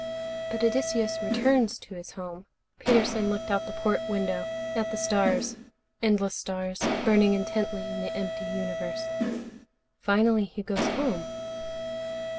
"But Odysseus returns to his home." Peterson looked out the port window, at the stars, endless stars, burning intently in the empty universe. "Finally he goes home."